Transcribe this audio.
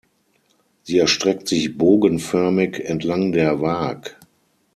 Sie erstreckt sich bogenförmig entlang der Waag.